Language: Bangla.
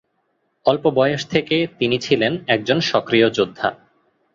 অল্প বয়স থেকে ছিলেন একজন সক্রিয় যোদ্ধা।